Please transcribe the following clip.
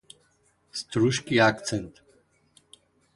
Struski akcent